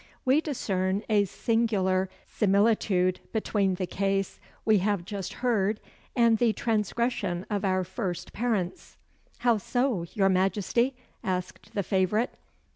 "We discern a singular similitude between the case we hae just heard, and the transgression of our first parents." "How so, your Majesty?" asked the favourite.